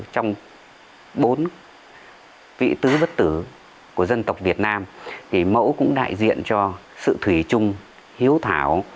trong bốn vị tứ bất tử của dân tộc việt nam mẫu cũng đại diện cho sự thủy chung hiếu thảo